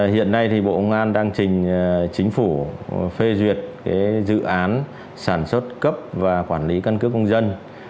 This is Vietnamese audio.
hiện nay thì bộ công an đang trình chính phủ phê duyệt dự án sản xuất cấp và quản lý căn cước công dân